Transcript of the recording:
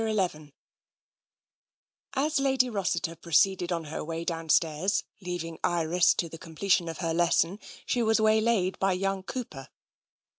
I XI As Lady Rossiter proceeded on her way downstairs, leaving Iris to the completion of her lesson, she was waylaid by young Cooper.